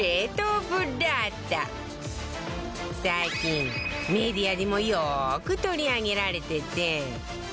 最近メディアでもよく取り上げられてて